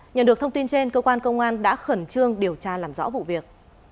nhận được thông tin trên cơ quan công an đã khẩn trương điều tra làm rõ vụ việc